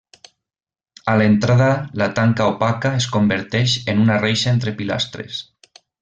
A l'entrada la tanca opaca es converteix en una reixa entre pilastres.